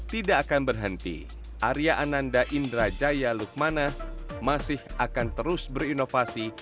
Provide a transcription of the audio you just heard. tidak akan berhenti arya ananda indrajaya lukmana masih akan terus berinovasi